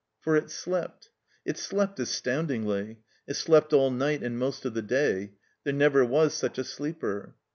For it slept. It slept astoundingly. It slept all night and most of the day. There never was such a sleeper.